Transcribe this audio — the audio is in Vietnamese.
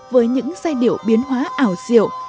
với những giai điệu biến hóa ảo diệu